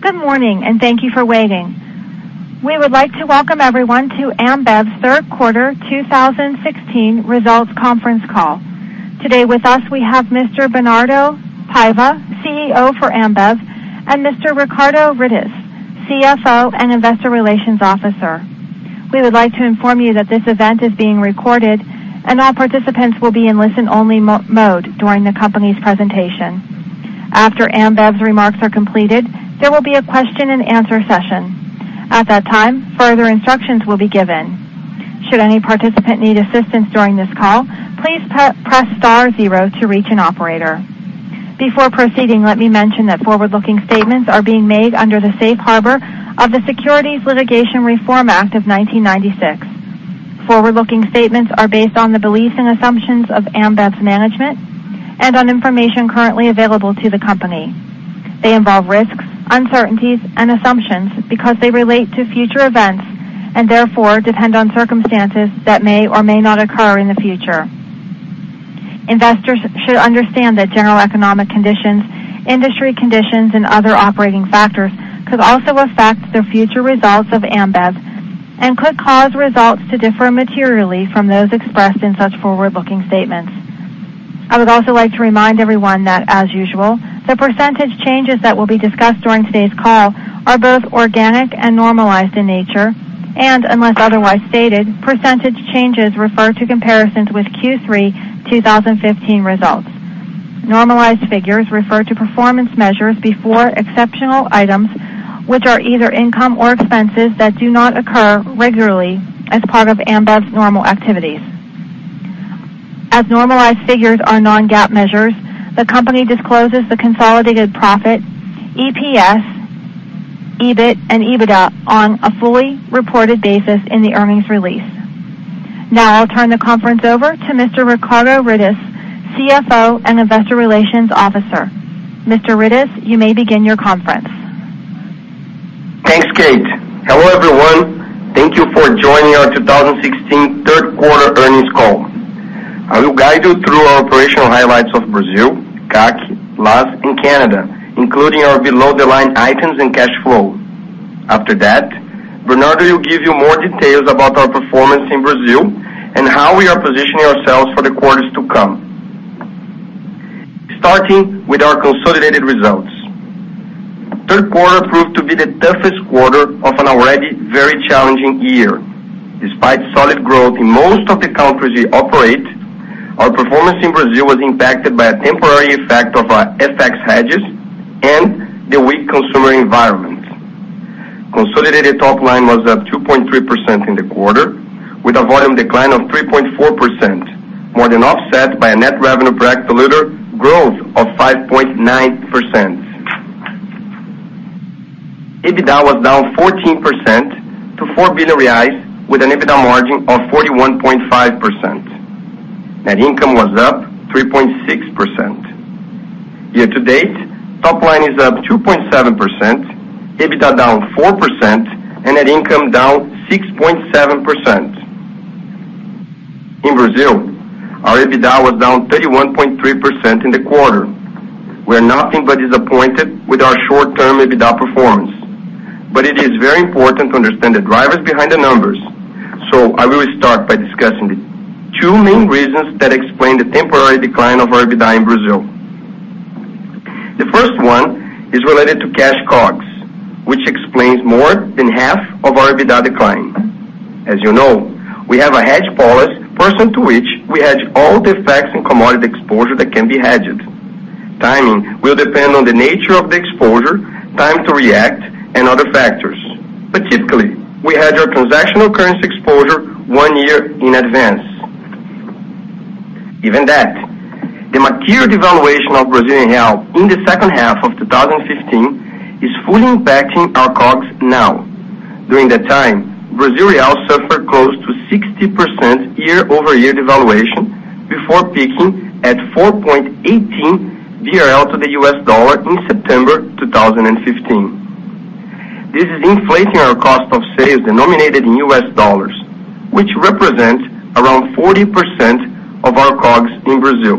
Good morning, and thank you for waiting. We would like to Welcome everyone to Ambev's Third Quarter 2016 Results Conference Call. Today with us we have Mr. Bernardo Paiva, CEO for Ambev, and Mr. Ricardo Rittes, CFO and Investor Relations Officer. We would like to inform you that this event is being recorded and all participants will be in listen-only mode during the company's presentation. After Ambev's remarks are completed, there will be a question-and-answer session. At that time, further instructions will be given. Should any participant need assistance during this call, please press star zero to reach an operator. Before proceeding, let me mention that forward-looking statements are being made under the safe harbor of the Private Securities Litigation Reform Act of 1995. Forward-looking statements are based on the beliefs and assumptions of Ambev's management and on information currently available to the company. They involve risks, uncertainties and assumptions because they relate to future events and therefore depend on circumstances that may or may not occur in the future. Investors should understand that general economic conditions, industry conditions, and other operating factors could also affect the future results of Ambev and could cause results to differ materially from those expressed in such forward-looking statements. I would also like to remind everyone that, as usual, the % changes that will be discussed during today's call are both organic and normalized in nature. Unless otherwise stated, % changes refer to comparisons with Q3 2015 results. Normalized figures refer to performance measures before exceptional items, which are either income or expenses that do not occur regularly as part of Ambev's normal activities. As normalized figures are non-GAAP measures, the company discloses the consolidated profit, EPS, EBIT and EBITDA on a fully reported basis in the earnings release. Now I'll turn the conference over to Mr. Ricardo Rittes, CFO and Investor Relations Officer. Mr. Rittes, you may begin your conference. Thanks, Kate. Hello, everyone. Thank you for joining Our 2016 Third Quarter Earnings Call. I will guide you through our operational highlights of Brazil, CAC, LAS and Canada, including our below-the-line items and cash flow. After that, Bernardo will give you more details about our performance in Brazil and how we are positioning ourselves for the quarters to come. Starting with our consolidated results. Third quarter proved to be the toughest quarter of an already very challenging year. Despite solid growth in most of the countries we operate, our performance in Brazil was impacted by a temporary effect of our FX hedges and the weak consumer environment. Consolidated top line was up 2.3% in the quarter, with a volume decline of 3.4%, more than offset by a net revenue per hectoliter growth of 5.9%. EBITDA was down 14% to 4 billion reais, with an EBITDA margin of 41.5%. Net income was up 3.6%. Year to date, top line is up 2.7%, EBITDA down 4%, and net income down 6.7%. In Brazil, our EBITDA was down 31.3% in the quarter. We are nothing but disappointed with our short-term EBITDA performance. It is very important to understand the drivers behind the numbers, so I will start by discussing the two main reasons that explain the temporary decline of our EBITDA in Brazil. The first one is related to cash COGS, which explains more than half of our EBITDA decline. As you know, we have a hedge policy pursuant to which we hedge all the effects in commodity exposure that can be hedged. Timing will depend on the nature of the exposure, time to react, and other factors. Specifically, we hedge our transactional currency exposure one year in advance. Given that, the material devaluation of Brazilian reais in the second half of 2015 is fully impacting our COGS now. During that time, Brazilian reais suffered close to 60% year-over-year devaluation before peaking at 4.18 BRL to the US dollar in September 2015. This is inflating our cost of sales denominated in US dollars, which represents around 40% of our COGS in Brazil.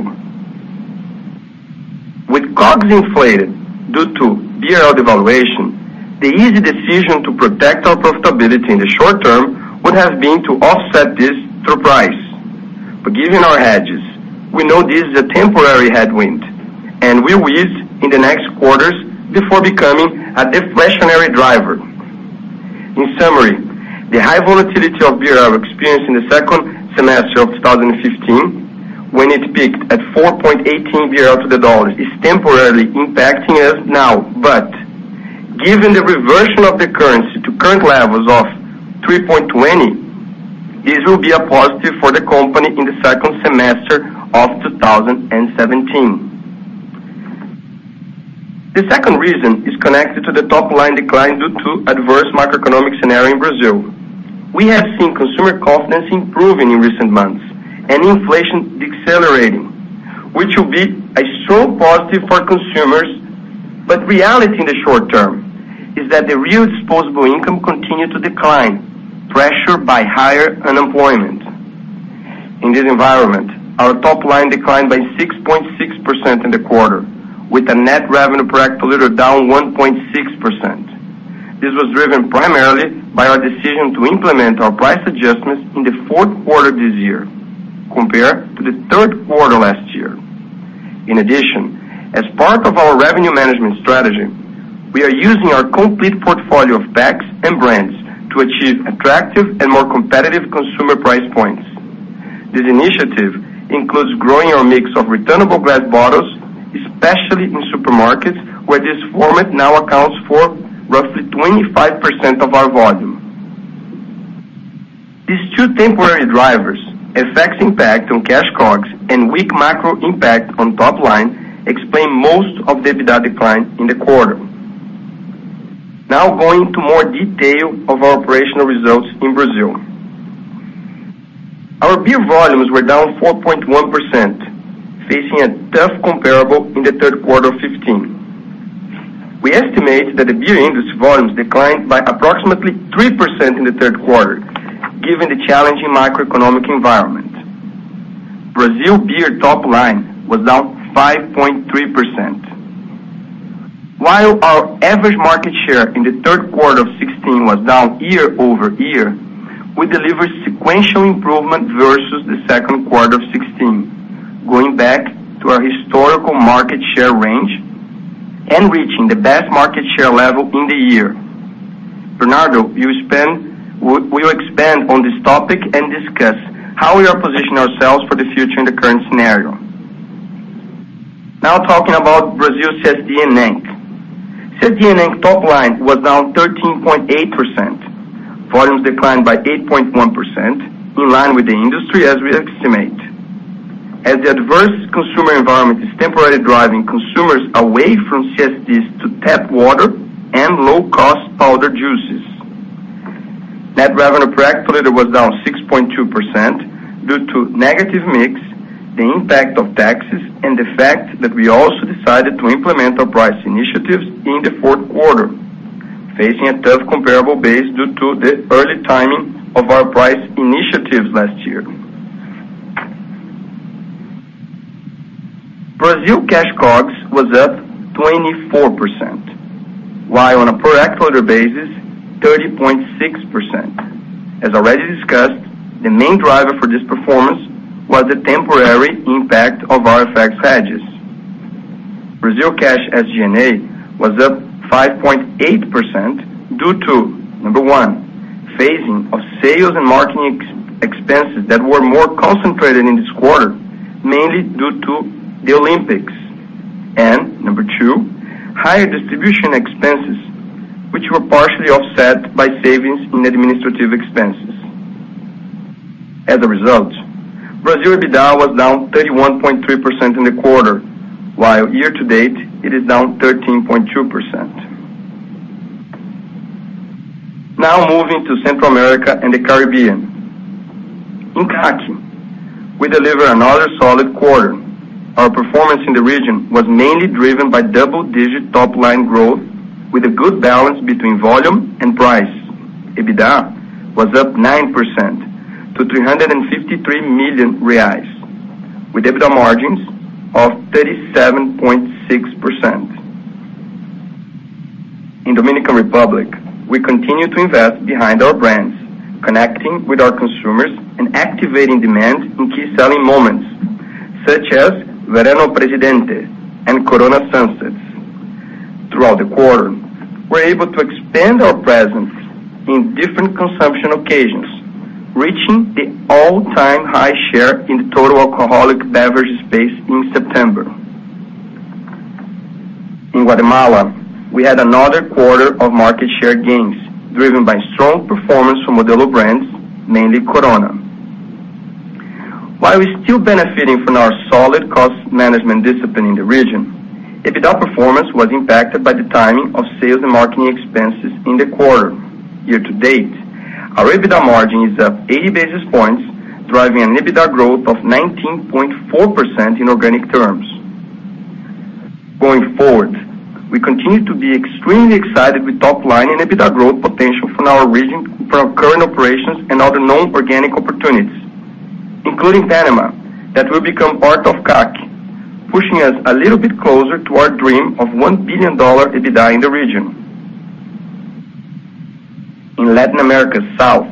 With COGS inflated due to BRL devaluation, the easy decision to protect our profitability in the short term would have been to offset this through price. Given our hedges, we know this is a temporary headwind, and will ease in the next quarters before becoming a deflationary driver. In summary, the high volatility of BRL experienced in the second semester of 2015, when it peaked at 4.18 to the dollar, is temporarily impacting us now. Given the reversion of the currency to current levels of 3.20, this will be a positive for the company in the second semester of 2017. The second reason is connected to the top-line decline due to adverse macroeconomic scenario in Brazil. We have seen consumer confidence improving in recent months and inflation decelerating, which will be a strong positive for consumers. Reality in the short term is that the real disposable income continued to decline, pressured by higher unemployment. In this environment, our top line declined by 6.6% in the quarter, with a net revenue per hectoliter down 1.6%. This was driven primarily by our decision to implement our price adjustments in the fourth quarter this year compared to the third quarter last year. In addition, as part of our revenue management strategy, we are using our complete portfolio of packs and brands to achieve attractive and more competitive consumer price points. This initiative includes growing our mix of returnable glass bottles, especially in supermarkets, where this format now accounts for roughly 25% of our volume. These two temporary drivers, FX impact on cash COGS and weak macro impact on top line, explain most of the EBITDA decline in the quarter. Now going to more detail of our operational results in Brazil. Our beer volumes were down 4.1%, facing a tough comparable in the third quarter of 2015. We estimate that the beer industry's volumes declined by approximately 3% in the third quarter given the challenging macroeconomic environment. Brazil Beer top line was down 5.3%. While our average market share in the third quarter of 2016 was down year-over-year, we delivered sequential improvement vs the second quarter of 2016, going back to our historical market share range and reaching the best market share level in the year. Bernardo will expand on this topic and discuss how we are positioning ourselves for the future in the current scenario. Now talking about Brazil's CSD and NAB. CSD and NAB top line was down 13.8%. Volumes declined by 8.1%, in line with the industry as we estimate, as the adverse consumer environment is temporarily driving consumers away from CSDs to tap water and low-cost powdered juices. Net revenue per hectoliter was down 6.2% due to negative mix, the impact of taxes, and the fact that we also decided to implement our price initiatives in the fourth quarter, facing a tough comparable base due to the early timing of our price initiatives last year. Brazil cash COGS was up 24%, while on a per hectoliter basis, 30.6%. As already discussed, the main driver for this performance was the temporary impact of our FX hedges. Brazil cash SG&A was up 5.8% due to, number one, phasing of sales and marketing expenses that were more concentrated in this quarter, mainly due to the Olympics. Number two, higher distribution expenses, which were partially offset by savings in administrative expenses. As a result, Brazil EBITDA was down 31.3% in the quarter, while year-to-date, it is down 13.2%. Now moving to Central America and the Caribbean. In CAC, we delivered another solid quarter. Our performance in the region was mainly driven by double-digit top-line growth with a good balance between volume and price. EBITDA was up 9% to 353 million reais, with EBITDA margins of 37.6%. In Dominican Republic, we continue to invest behind our brands, connecting with our consumers and activating demand in key selling moments, such as Verano Presidente and Corona Sunsets. Throughout the quarter, we're able to expand our presence in different consumption occasions, reaching the all-time high share in the total alcoholic beverage space in September. In Guatemala, we had another quarter of market share gains, driven by strong performance from Modelo brands, mainly Corona. While we're still benefiting from our solid cost management discipline in the region, EBITDA performance was impacted by the timing of sales and marketing expenses in the quarter. Year to date, our EBITDA margin is up 80 basis points, driving an EBITDA growth of 19.4% in organic terms. Going forward, we continue to be extremely excited with top line and EBITDA growth potential from our region, from current operations and other known organic opportunities, including Panama, that will become part of CAC, pushing us a little bit closer to our dream of $1 billion EBITDA in the region. In Latin America South,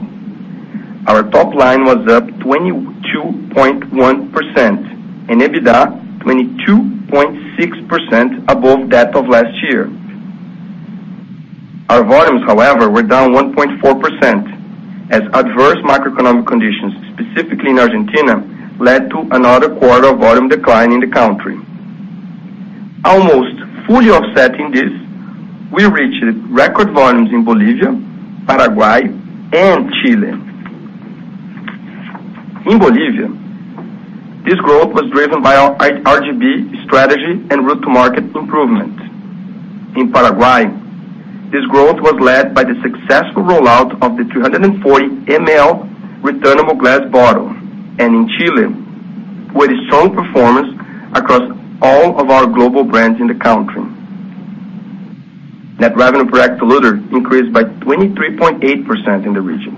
our top line was up 22.1% and EBITDA 22.6% above that of last year. Our volumes, however, were down 1.4% as adverse macroeconomic conditions, specifically in Argentina, led to another quarter of volume decline in the country. Almost fully offsetting this, we reached record volumes in Bolivia, Paraguay, and Chile. In Bolivia, this growth was driven by our RGB strategy and route to market improvement. In Paraguay, this growth was led by the successful rollout of the 340 ml returnable glass bottle, and in Chile, with a strong performance across all of our global brands in the country. Net revenue per hectoliter increased by 23.8% in the region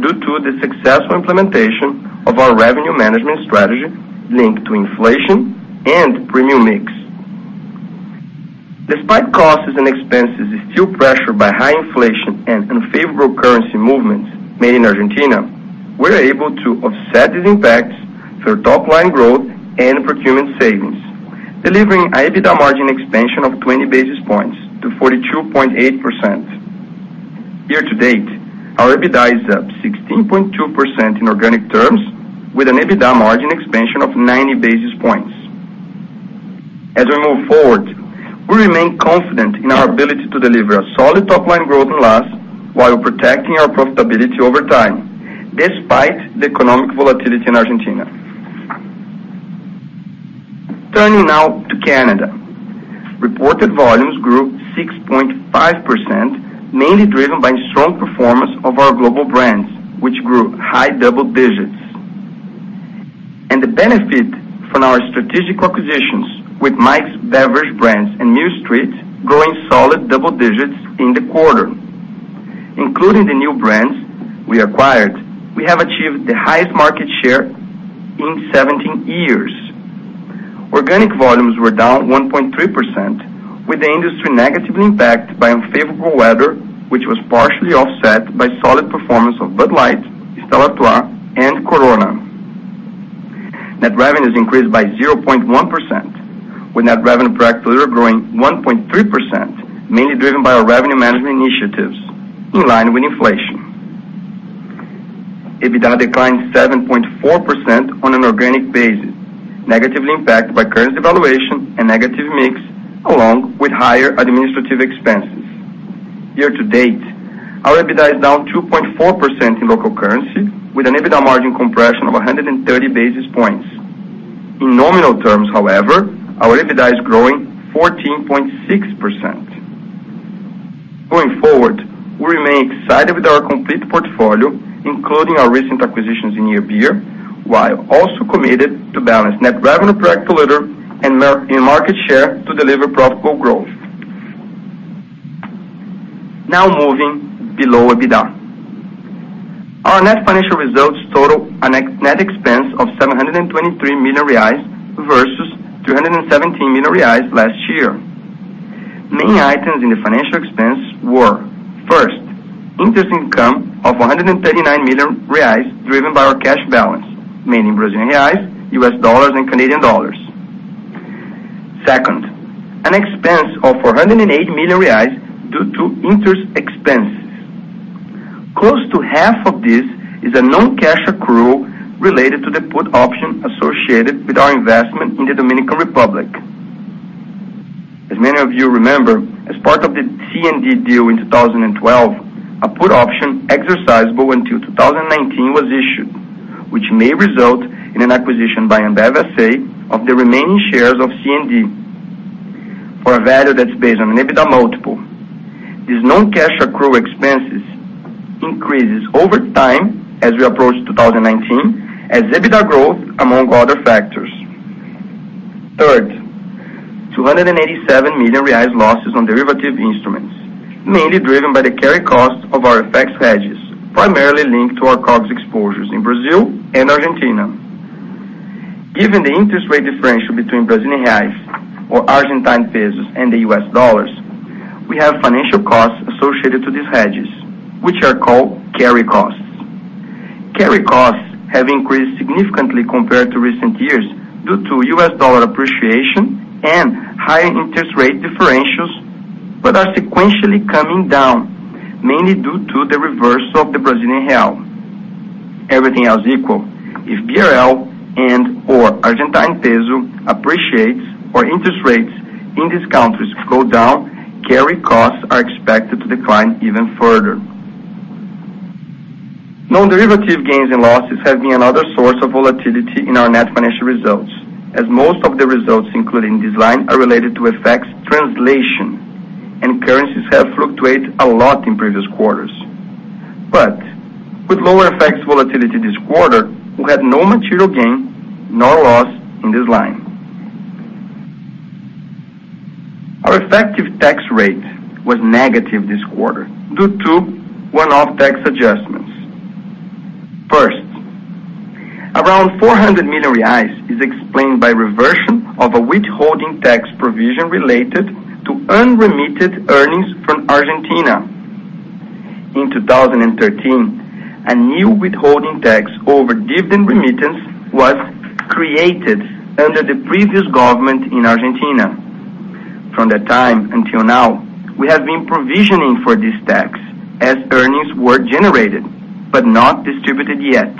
due to the successful implementation of our revenue management strategy linked to inflation and premium mix. Despite costs and expenses still pressured by high inflation and unfavorable currency movements made in Argentina, we're able to offset these impacts through top line growth and procurement savings, delivering an EBITDA margin expansion of 20 basis points to 42.8%. Year to date, our EBITDA is up 16.2% in organic terms with an EBITDA margin expansion of 90 basis points. As we move forward, we remain confident in our ability to deliver a solid top line growth in LAS while protecting our profitability over time despite the economic volatility in Argentina. Turning now to Canada. Reported volumes grew 6.5%, mainly driven by strong performance of our global brands, which grew high double digits. The benefit from our strategic acquisitions with Mike's Hard Lemonade and Mill Street Brewery growing solid double digits in the quarter. Including the new brands we acquired, we have achieved the highest market share in 17 years. Organic volumes were down 1.3%, with the industry negatively impacted by unfavorable weather, which was partially offset by solid performance of Bud Light, Stella Artois, and Corona. Net revenues increased by 0.1%, with net revenue per hectoliter growing 1.3%, mainly driven by our revenue management initiatives in line with inflation. EBITDA declined 7.4% on an organic basis, negatively impacted by currency devaluation and negative mix, along with higher administrative expenses. Year to date, our EBITDA is down 2.4% in local currency with an EBITDA margin compression of 130 basis points. In nominal terms, however, our EBITDA is growing 14.6%. Going forward, we remain excited with our complete portfolio, including our recent acquisitions in near Beer, while also committed to balance net revenue per hectoliter and margin in market share to deliver profitable growth. Now, moving below EBITDA. Our net financial results total a net expense of 723 million reais vs 217 million reais last year. Main items in the financial expense were, first, interest income of 139 million reais driven by our cash balance, mainly in Brazilian reais, U.S. dollars, and Canadian dollars. Second, an expense of 480 million reais due to interest expenses. Close to half of this is a non-cash accrual related to the put option associated with our investment in the Dominican Republic. As many of you remember, as part of the C&G deal in 2012, a put option exercisable until 2019 was issued, which may result in an acquisition by Ambev S.A. of the remaining shares of C&G for a value that's based on an EBITDA multiple. This non-cash accrual expenses increases over time as we approach 2019 as EBITDA growth among other factors. Third, 287 million reais losses on derivative instruments, mainly driven by the carry cost of our FX hedges, primarily linked to our COGS exposures in Brazil and Argentina. Given the interest rate differential between Brazilian reais or Argentine pesos and the U.S. dollars, we have financial costs associated to these hedges, which are called carry costs. Carry costs have increased significantly compared to recent years due to U.S. dollar appreciation and higher interest rate differentials, but are sequentially coming down, mainly due to the reversal of the Brazilian real. Everything else equal, if BRL and/or Argentine peso appreciates or interest rates in these countries go down, carry costs are expected to decline even further. Non-derivative gains and losses have been another source of volatility in our net financial results, as most of the results included in this line are related to FX translation, and currencies have fluctuated a lot in previous quarters. With lower FX volatility this quarter, we had no material gain nor loss in this line. Our effective tax rate was negative this quarter due to one-off tax adjustments. First, around 400 million reais is explained by reversion of a withholding tax provision related to unremitted earnings from Argentina. In 2013, a new withholding tax over dividend remittance was created under the previous government in Argentina. From that time until now, we have been provisioning for this tax as earnings were generated, but not distributed yet.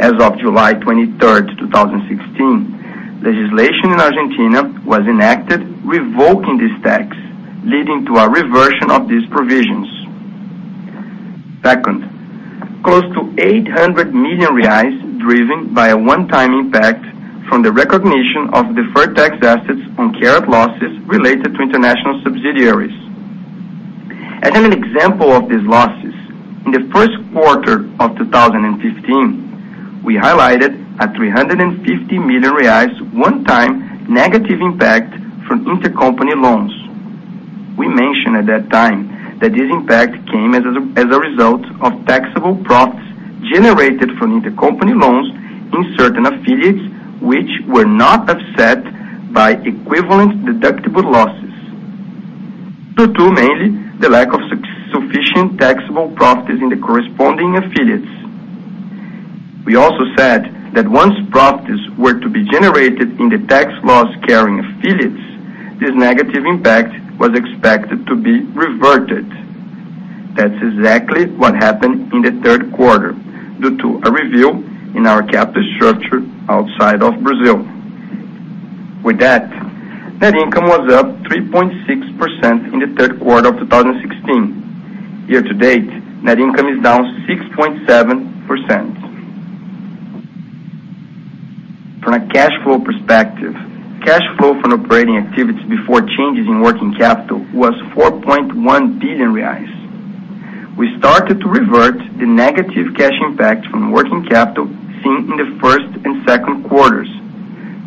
As of July 23, 2016, legislation in Argentina was enacted revoking this tax, leading to a reversion of these provisions. Second, close to 800 million reais driven by a one-time impact from the recognition of deferred tax assets on carried losses related to international subsidiaries. As an example of these losses, in the first quarter of 2015, we highlighted a 350 million reais one-time negative impact from intercompany loans. We mentioned at that time that this impact came as a result of taxable profits generated from intercompany loans in certain affiliates, which were not offset by equivalent deductible losses, due to mainly the lack of sufficient taxable profits in the corresponding affiliates. We also said that once profits were to be generated in the tax loss-carrying affiliates, this negative impact was expected to be reverted. That's exactly what happened in the third quarter due to a review in our capital structure outside of Brazil. With that, net income was up 3.6% in the third quarter of 2016. Year to date, net income is down 6.7%. From a cash flow perspective, cash flow from operating activities before changes in working capital was 4.1 billion reais. We started to revert the negative cash impact from working capital seen in the first and second quarters,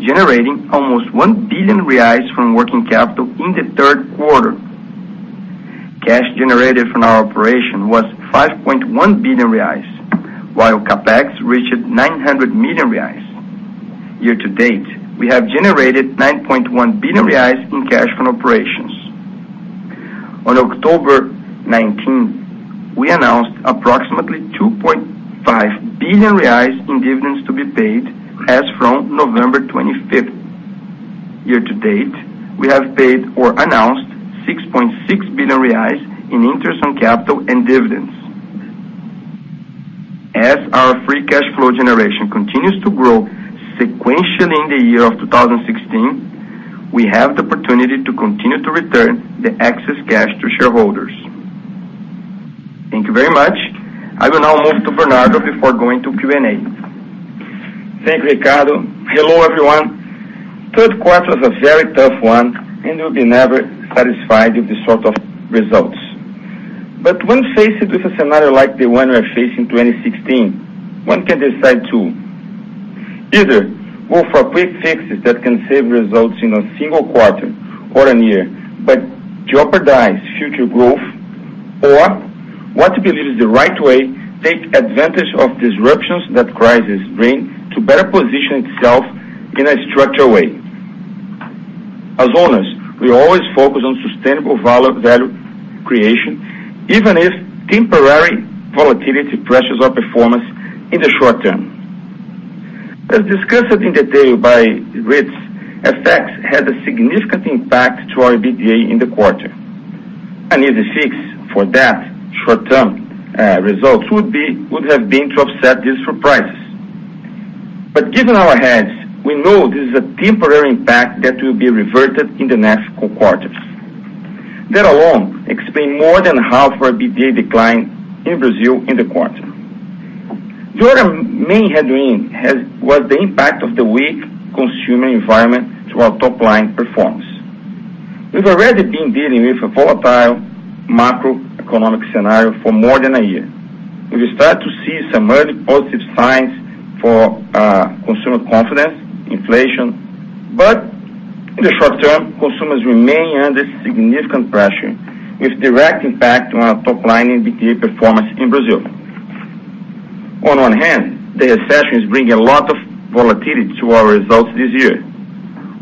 generating almost 1 billion reais from working capital in the third quarter. Cash generated from our operation was 5.1 billion reais, while CapEx reached 900 million reais. Year to date, we have generated 9.1 billion reais in cash from operations. On October nineteenth, we announced approximately 2.5 billion reais in dividends to be paid as from November 25th. Year to date, we have paid or announced 6.6 billion reais in interest on capital and dividends. As our free cash flow generation continues to grow sequentially in the year of 2016, we have the opportunity to continue to return the excess cash to shareholders. Thank you very much. I will now move to Bernardo before going to Q&A. Thank you, Ricardo. Hello, everyone. Third quarter is a very tough one and we'll be never satisfied with this sort of results. When faced with a scenario like the one we are facing in 2016, one can decide to either go for quick fixes that can save results in a single quarter or a year, but jeopardize future growth or what we believe is the right way, take advantage of disruptions that crisis bring to better position itself in a structural way. As owners, we always focus on sustainable value creation, even if temporary volatility pressures our performance in the short term. As discussed in detail by Ricardo Rittes, FX had a significant impact to our EBITDA in the quarter. An easy fix for that short-term result would have been to offset this for prices. Given our hedge, we know this is a temporary impact that will be reverted in the next quarters. That alone explain more than half our EBITDA decline in Brazil in the quarter. The other main headwind was the impact of the weak consumer environment to our top line performance. We've already been dealing with a volatile macroeconomic scenario for more than a year. We will start to see some early positive signs for consumer confidence, inflation, but in the short term, consumers remain under significant pressure with direct impact on our top line and EBITDA performance in Brazil. On one hand, the recession is bringing a lot of volatility to our results this year.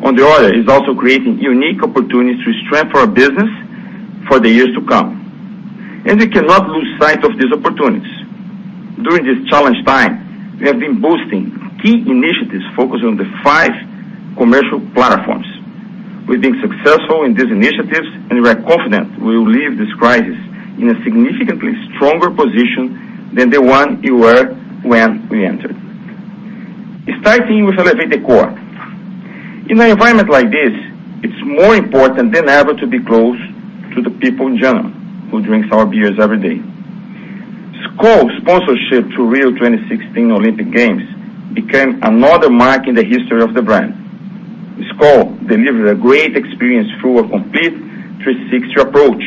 On the other, it's also creating unique opportunities to strengthen our business for the years to come. We cannot lose sight of these opportunities. During this challenge time, we have been boosting key initiatives focused on the five commercial platforms. We've been successful in these initiatives, and we are confident we will leave this crisis in a significantly stronger position than the one we were when we entered. Starting with Elevate the Core. In an environment like this, it's more important than ever to be close to the people in general who drinks our beers every day. Skol sponsorship to Rio 2016 Olympic Games became another mark in the history of the brand. Skol delivered a great experience through a complete 360 approach,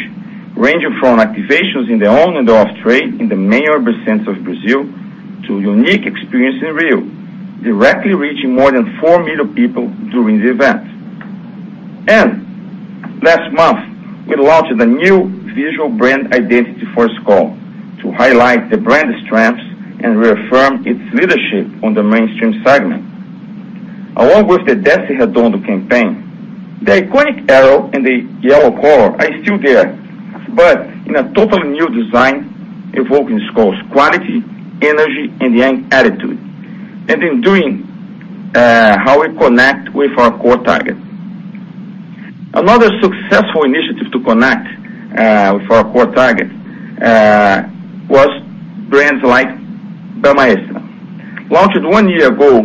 ranging from activations in the on and off trade in the main urban centers of Brazil to a unique experience in Rio, directly reaching more than 4 million people during the event. Last month, we launched a new visual brand identity for Skol to highlight the brand strengths and reaffirm its leadership on the mainstream segment. Along with the Desce Redondo campaign, the iconic arrow and the yellow color are still there, but in a totally new design, evoking Skol's quality, energy, and young attitude, and in doing, how we connect with our core target. Another successful initiative to connect with our core target was brands like Brahma Extra. Launched one year ago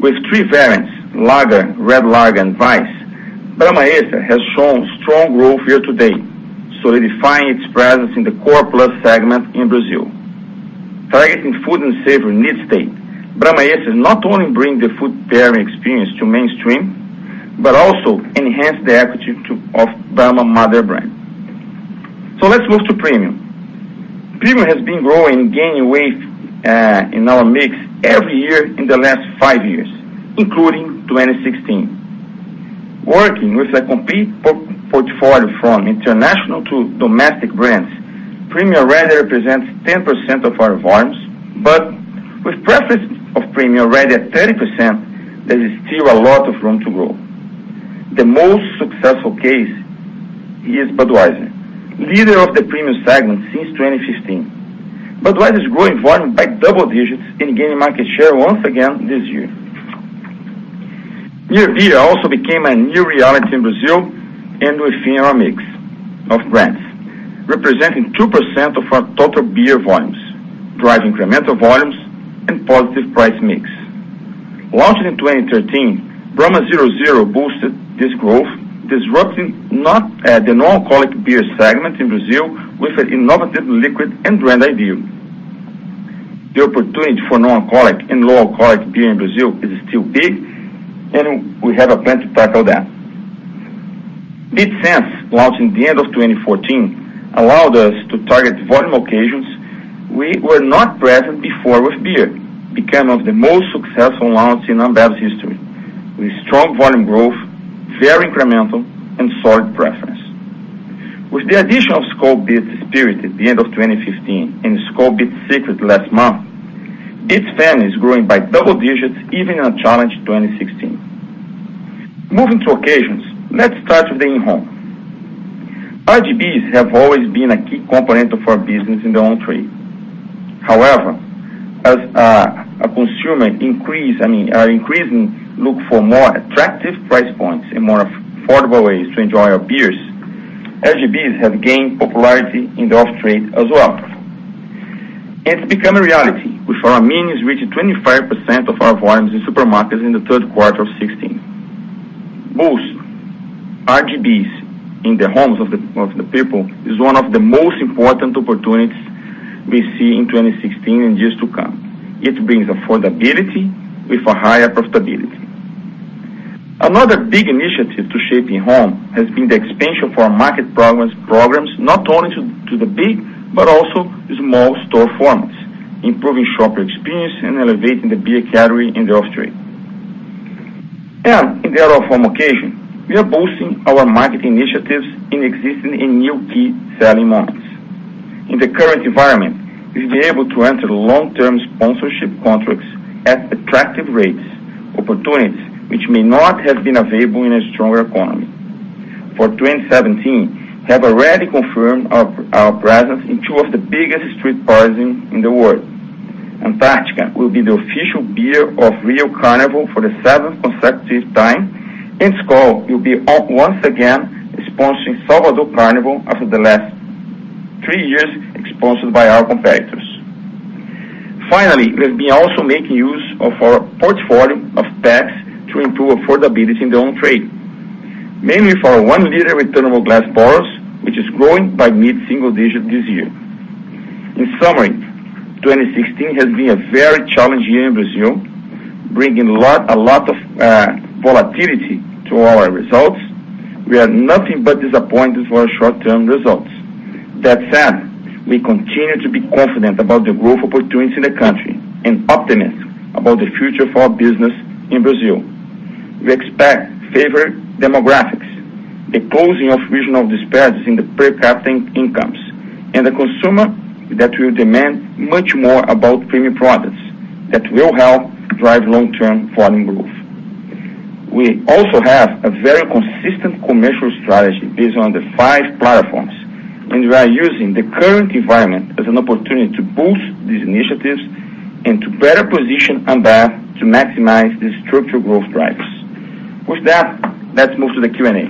with three variants, Lager, Red Lager, and Weiss, Brahma Extra has shown strong growth year to date, solidifying its presence in the core plus segment in Brazil. Targeting food and savory need state, Brahma Essence not only bring the food pairing experience to mainstream, but also enhance the equity to of Brahma mother brand. Let's move to premium. Premium has been growing and gaining weight in our mix every year in the last five years, including 2016. Working with a complete portfolio from international to domestic brands, premium already represents 10% of our volumes, but with preference of premium already at 30%, there is still a lot of room to grow. The most successful case is Budweiser, leader of the premium segment since 2015. Budweiser is growing volume by double digits and gaining market share once again this year. Near Beer also became a new reality in Brazil and within our mix of brands, representing 2% of our total beer volumes, driving incremental volumes and positive price mix. Launched in 2013, Brahma 0.0% Boosted this growth, disrupting the non-alcoholic beer segment in Brazil with an innovative liquid and brand idea. The opportunity for non-alcoholic and low-alcoholic beer in Brazil is still big, and we have a plan to tackle that. Beats Senses, launched in the end of 2014, allowed us to target volume occasions we were not present before with beer, one of the most successful launch in Ambev's history, with strong volume growth, very incremental, and solid preference. With the addition of Skol Beats Spirit at the end of 2015 and Skol Beats Secret last month, Beats family is growing by double digits even in a challenged 2016. Moving to occasions, let's start with the in-home. RGBs have always been a key component of our business in the on-trade. However, as I mean, consumers are increasingly looking for more attractive price points and more affordable ways to enjoy our beers, RGBs have gained popularity in the off-trade as well. It's become a reality, with our minis reaching 25% of our volumes in supermarkets in the third quarter of 2016. Both RGBs in the homes of the people is one of the most important opportunities we see in 2016 and years to come. It brings affordability with a higher profitability. Another big initiative to shape in-home has been the expansion for our market programs not only to the big but also small store formats, improving shopper experience and elevating the beer category in the off-trade. In the out-of-home occasion, we are boosting our marketing initiatives in existing and new key selling moments. In the current environment, we've been able to enter long-term sponsorship contracts at attractive rates, opportunities which may not have been available in a stronger economy. For 2017, have already confirmed our presence in two of the biggest street parties in the world. Antarctica will be the official beer of Rio Carnival for the seventh consecutive time, and Skol will be once again sponsoring Salvador Carnival after the last three years sponsored by our competitors. Finally, we have been also making use of our portfolio of packs to improve affordability in the on-trade, mainly for our one liter returnable glass bottles, which is growing by mid-single digit this year. In summary, 2016 has been a very challenging year in Brazil, bringing a lot of volatility to our results. We are nothing but disappointed for our short-term results. That said, we continue to be confident about the growth opportunities in the country and optimistic about the future of our business in Brazil. We expect favored demographics, the closing of regional disparities in the per capita incomes, and a consumer that will demand much more about premium products that will help drive long-term volume growth. We also have a very consistent commercial strategy based on the five platforms, and we are using the current environment as an opportunity to boost these initiatives and to better position Ambev to maximize the structural growth drivers. With that, let's move to the Q&A.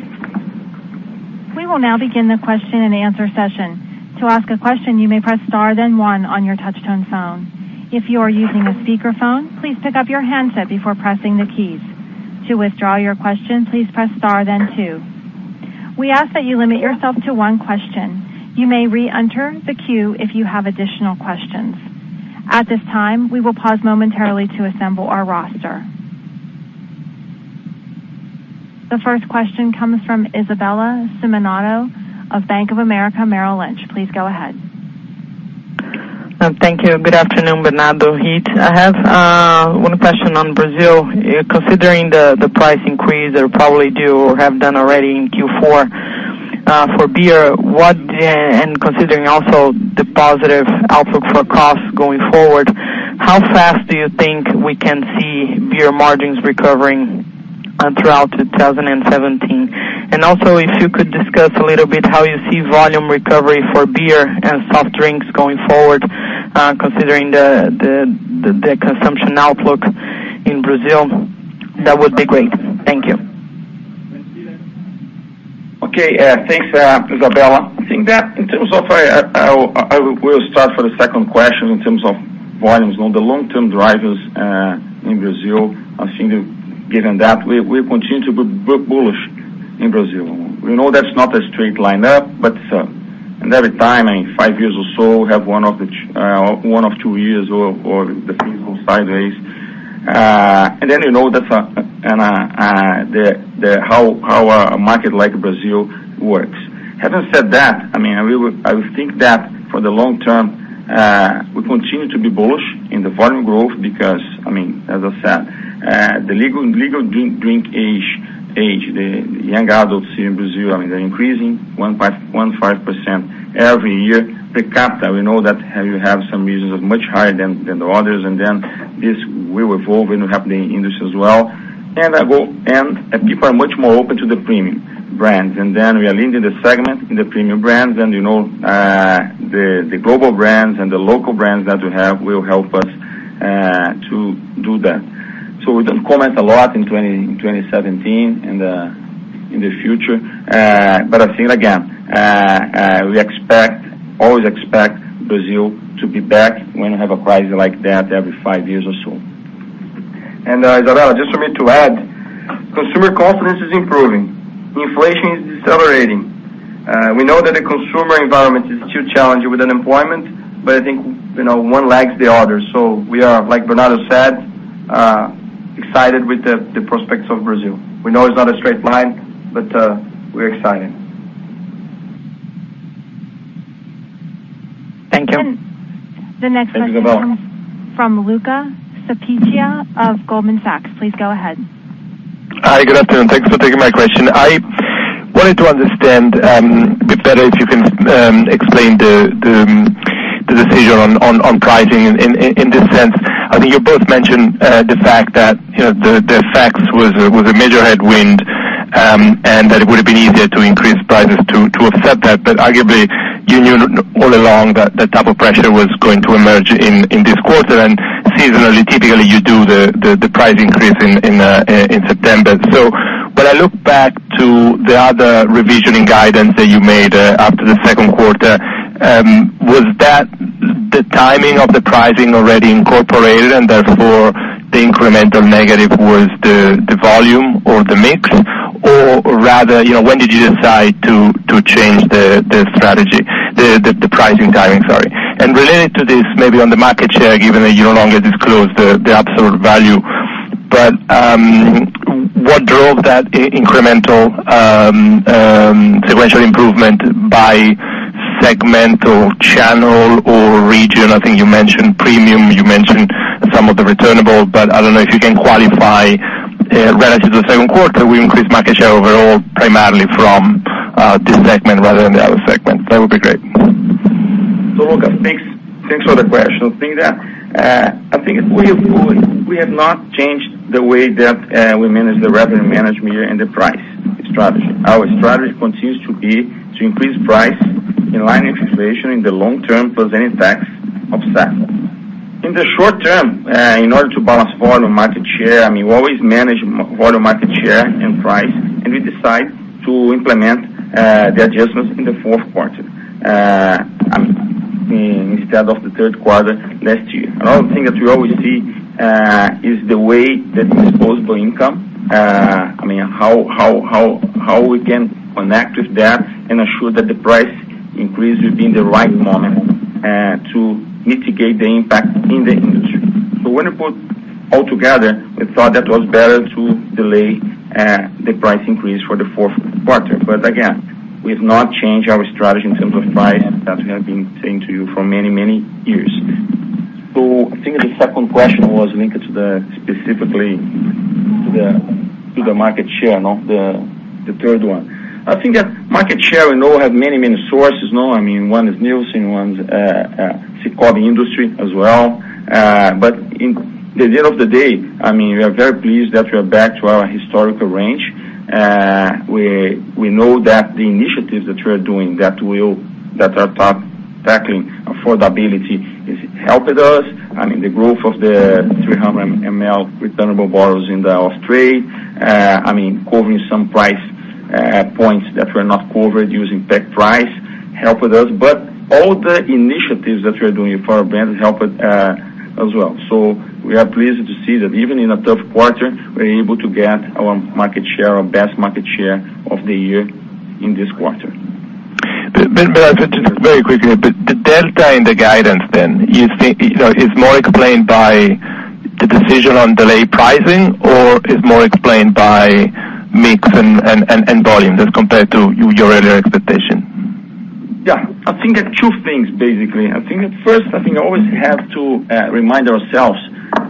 We will now begin the question and answer session. To ask a question, you may press star then one on your touch-tone phone. If you are using a speakerphone, please pick up your handset before pressing the keys. To withdraw your question, please press star then two. We ask that you limit yourself to one question. You may re-enter the queue if you have additional questions. At this time, we will pause momentarily to assemble our roster. The first question comes from Isabella Simonato of Bank of America Merrill Lynch. Please go ahead. Thank you. Good afternoon, Bernardo, Ricardo Rittes. I have one question on Brazil. Considering the price increase that probably due or have done already in Q4 for beer, and considering also the positive outlook for costs going forward, how fast do you think we can see beer margins recovering throughout 2017? Also, if you could discuss a little bit how you see volume recovery for beer and soft drinks going forward, considering the consumption outlook in Brazil, that would be great. Thank you. Okay. Thanks, Isabella. I think that in terms of, I will. We'll start for the second question in terms of volumes. On the long-term drivers in Brazil, I think given that we continue to be bullish in Brazil. We know that's not a straight line up, but. Every time in five years or so, we have one of two years or the things go sideways. Then, you know, that's how a market like Brazil works. Having said that, I mean, I would think that for the long term, we continue to be bullish in the volume growth because, I mean, as I said, the legal drinking age, the young adults here in Brazil, I mean, they're increasing 1.5% every year. Per capita, we know that you have some regions of much higher than the others, and then this will evolve, and we have the industry as well. People are much more open to the premium brands. We are leading the segment in the premium brands and, you know, the global brands and the local brands that we have will help us to do that. We don't comment a lot in 2017 and in the future. I think again, we always expect Brazil to be back when you have a crisis like that every five years or so. Isabel, just for me to add, consumer confidence is improving. Inflation is decelerating. We know that the consumer environment is still challenging with unemployment, but I think, you know, one lags the other. We are, like Bernardo said, excited with the prospects of Brazil. We know it's not a straight line, but we're excited. Thank you. Thank you, Isabel. The next question comes from Luca Cipiccia of Goldman Sachs. Please go ahead. Hi, good afternoon. Thanks for taking my question. I wanted to understand a bit better if you can explain the decision on pricing in this sense. I think you both mentioned the fact that, you know, the FX was a major headwind, and that it would have been easier to increase prices to offset that. Arguably, you knew all along that the type of pressure was going to emerge in this quarter. Seasonally, typically, you do the price increase in September. When I look back to the other revising guidance that you made after the second quarter, was that the timing of the pricing already incorporated, and therefore, the incremental negative was the volume or the mix? You know, when did you decide to change the pricing timing? Sorry. Related to this, maybe on the market share, given that you no longer disclose the absolute value, but what drove that incremental sequential improvement by segment or channel or region? I think you mentioned premium, you mentioned some of the returnable, but I don't know if you can qualify relative to the second quarter, we increased market share overall primarily from this segment rather than the other segment. That would be great. Luca, thanks for the question. I think we have not changed the way that we manage the revenue management and the price strategy. Our strategy continues to be to increase price in line with inflation in the long term plus any tax obstacle. In the short term, in order to balance volume, market share, I mean, we always manage volume, market share and price, and we decide to implement the adjustments in the fourth quarter, I mean, instead of the third quarter last year. Another thing that we always see is the way that disposable income, I mean, how we can connect with that and ensure that the price increase will be in the right moment to mitigate the impact in the industry. When we put all together, we thought that was better to delay the price increase for the fourth quarter. Again, we've not changed our strategy in terms of price that we have been saying to you for many, many years. I think the second question was linked to specifically the market share, the third one. I think that market share we know have many, many sources, no? I mean, one is Nielsen, one is SICOBE industry as well. In the end of the day, I mean, we are very pleased that we are back to our historical range. We know that the initiatives that we are doing that are tackling affordability is helping us. I mean, the growth of the 300 ml returnable bottles in the off trade, I mean, covering some price points that were not covered using pack price helped us. All the initiatives that we are doing for our brand helped as well. We are pleased to see that even in a tough quarter, we're able to get our market share, our best market share of the year in this quarter. Bernardo, just very quickly, the delta in the guidance then is, you know, more explained by the decision on delayed pricing or is more explained by mix and volume as compared to your earlier expectation? Yeah. I think there are two things, basically. I think at first I always have to remind ourselves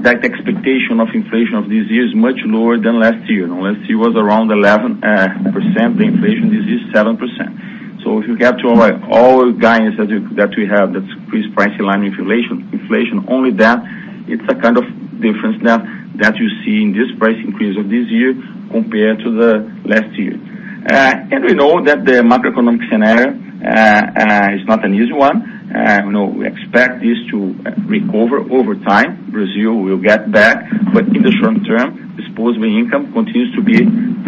that the expectation of inflation of this year is much lower than last year. Last year was around 11%. The inflation this year is 7%. So if you given, like, all the guidance that we have to increase prices in line with inflation only that, it's a kind of difference that you see in this price increase of this year compared to the last year. We know that the macroeconomic scenario is not an easy one. You know, we expect this to recover over time. Brazil will get back. In the short term, disposable income continues to be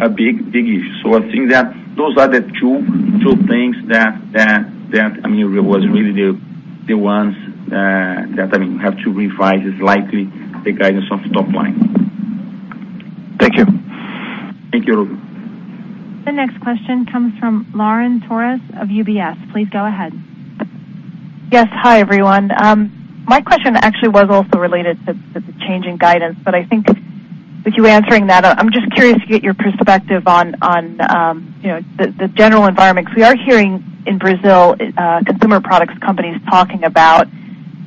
a big, big issue. I think that those are the two things that I mean it was really the ones that I mean have to revise is likely the guidance of top line. Thank you. Thank you. The next question comes from Lauren Torres of UBS. Please go ahead. Yes. Hi, everyone. My question actually was also related to the change in guidance, but I think with you answering that, I'm just curious to get your perspective on you know the general environment. We are hearing in Brazil consumer products companies talking about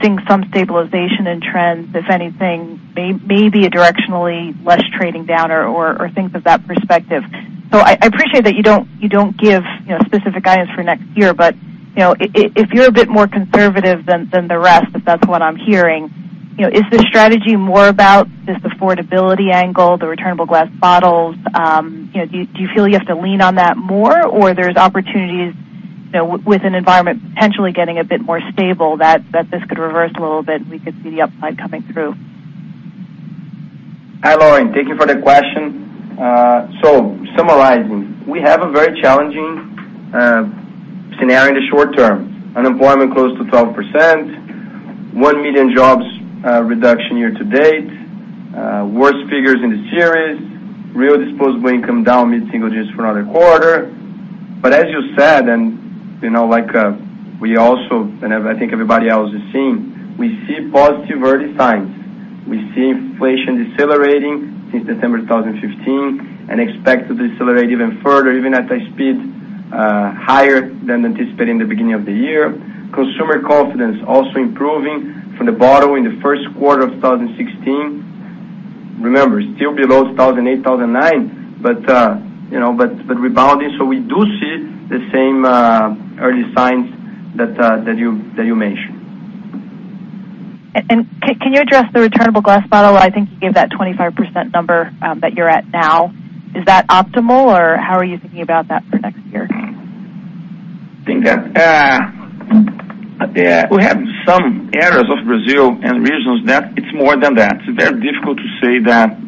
seeing some stabilization in trends, if anything, maybe a directionally less trading down or things of that perspective. I appreciate that you don't give you know specific guidance for next year. You know, if you're a bit more conservative than the rest, if that's what I'm hearing, you know, is this strategy more about this affordability angle, the returnable glass bottles? You know, do you feel you have to lean on that more or there's opportunities, you know, with an environment potentially getting a bit more stable that this could reverse a little bit and we could see the upside coming through? Hi, Lauren. Thank you for the question. Summarizing, we have a very challenging scenario in the short term. Unemployment close to 12%, 1 million jobs reduction year to date, worst figures in the series, real disposable income down mid-single digits for another quarter. As you said, and you know, like, we also, and I think everybody else is seeing, we see positive early signs. We see inflation decelerating since December 2015 and expect to decelerate even further, even at a speed higher than anticipated in the beginning of the year. Consumer confidence also improving from the bottom in the first quarter of 2016. Remember, still below 2008, 2009, but you know, but rebounding. We do see the same early signs that you mentioned. Can you address the returnable glass bottle? I think you gave that 25% number, that you're at now. Is that optimal or how are you thinking about that for next year? I think that we have some areas of Brazil and regions that it's more than that. It's very difficult to say that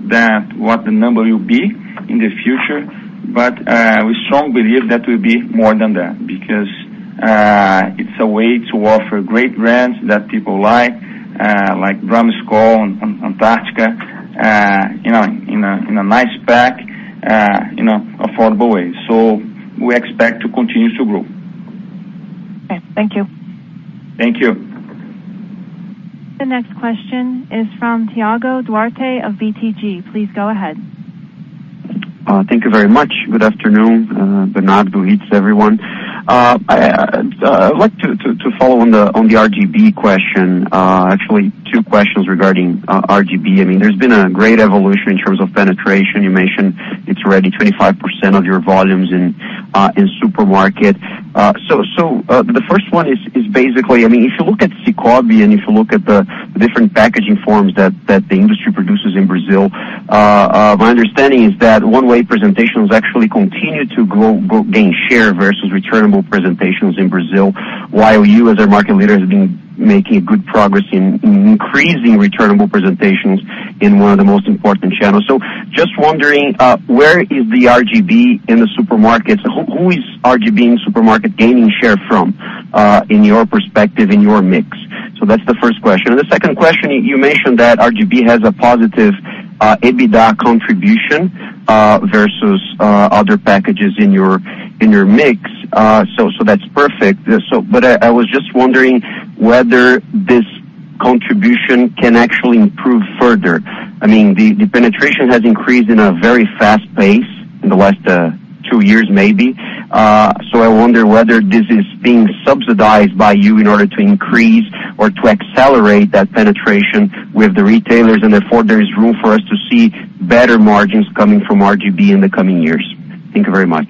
what the number will be in the future. We strongly believe that will be more than that because it's a way to offer great brands that people like Brahma, Skol, Antarctica, you know, in a nice pack in an affordable way. We expect to continue to grow. Okay. Thank you. Thank you. The next question is from Thiago Duarte of BTG. Please go ahead. Thank you very much. Good afternoon, Bernardo, Rittes, everyone. I would like to follow on the RGB question. Actually two questions regarding RGB. I mean, there's been a great evolution in terms of penetration. You mentioned it's already 25% of your volumes in supermarket. The first one is basically, I mean, if you look at SICOBE and if you look at the different packaging forms that the industry produces in Brazil, my understanding is that one way presentations actually continue to gain share vs returnable presentations in Brazil, while you as our market leader has been making good progress in increasing returnable presentations in one of the most important channels. Just wondering, where is the RGB in the supermarkets? Who is RGB in supermarket gaining share from, in your perspective, in your mix? That's the first question. The second question, you mentioned that RGB has a positive EBITDA contribution vs other packages in your mix. That's perfect. But I was just wondering whether this contribution can actually improve further. I mean, the penetration has increased in a very fast pace in the last two years maybe. I wonder whether this is being subsidized by you in order to increase or to accelerate that penetration with the retailers and therefore there is room for us to see better margins coming from RGB in the coming years. Thank you very much.